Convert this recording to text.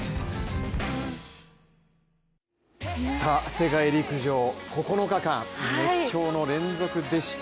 世界陸上、９日間熱狂の連続でした。